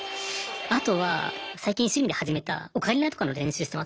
あとは最近趣味で始めたオカリナとかの練習してますね。